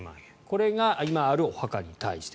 これが今あるお墓に対して。